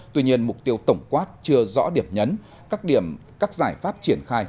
tuy nhiên mục tiêu tổng quát chưa rõ điểm nhấn các giải pháp triển khai